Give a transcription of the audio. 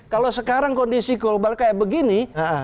kalau sekarang kondisi global kayak begini